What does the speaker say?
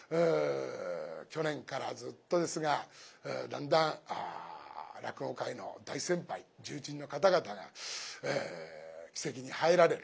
去年からずっとですがだんだん落語界の大先輩重鎮の方々が鬼籍に入られる。